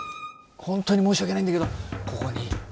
本当に申し訳ないんだけどここに監視用。